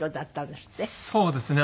そうですね。